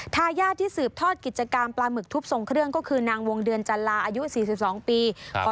ทายาทที่สืบทอดกิจกรรมปลาหมึกทุบทรงเครื่องก็คือนางวงเดือนจันลาอายุ๔๒ปี